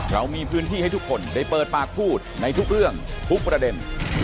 เรามีพื้นที่ให้ทุกคนได้เปิดปากพูดในทุกเรื่องทุกประเด็น